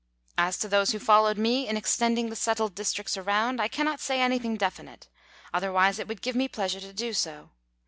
As to those who followed me in extending the settled districts around, I cannot say anything definite ; otherwise it would give me pleasure to do so.